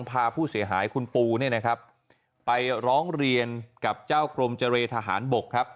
พาผู้เสียหายคุณปูเนี่ยนะครับไปร้องเรียนกับเจ้ากรมเจรทหารบกครับ